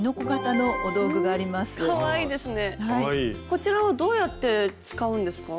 こちらはどうやって使うんですか？